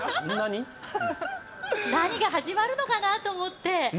何が始まるのかなと思って。